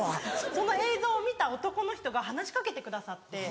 その映像を見た男の人が話し掛けてくださって。